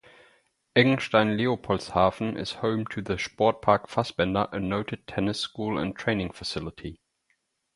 Eggenstein-Leopoldshafen is home to the Sportpark Fassbender, a noted tennis school and training facility.